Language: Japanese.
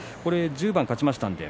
１０番勝ちましたので